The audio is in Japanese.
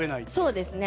そうですね。